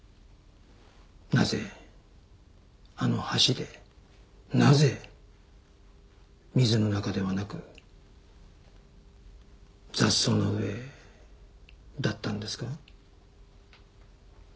なぜあの橋でなぜ水の中ではなく雑草の上だったんですか？